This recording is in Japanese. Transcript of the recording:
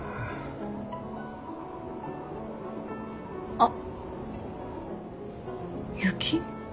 あっ雪？